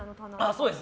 そうです。